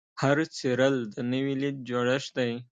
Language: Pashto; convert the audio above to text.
هر څیرل د نوې لید جوړښت دی.